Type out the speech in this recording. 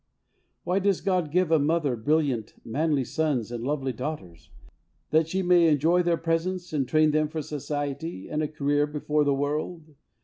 Why does God give a mother brilliant, manly sons and lovely daughters ? That she may enjoy their presence and train them for society and a career before the world?